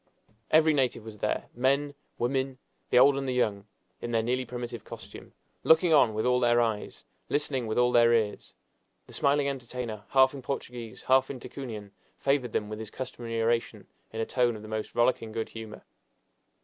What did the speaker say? Every native was there men, women, the old and the young, in their nearly primitive costume, looking on with all their eyes, listening with all their ears. The smiling entertainer, half in Portuguese, half in Ticunian, favored them with his customary oration in a tone of the most rollicking good humor.